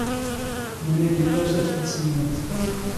ⵎⴰⵏⵉ ⴳ ⵉⵍⵍⴰ ⵓⵙⴰⴷⴼ ⵏ ⵜⵙⵏⵏⵉⵖⵜ.